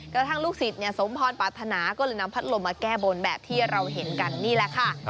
ลูกศิษย์สมพรปรารถนาก็เลยนำพัดลมมาแก้บนแบบที่เราเห็นกันนี่แหละค่ะ